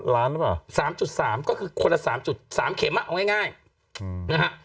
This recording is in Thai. ๓๓ล้านใช่ป่ะ๓๓ก็คือคนละ๓๓เข็มอ่ะเอาง่ายนะฮะ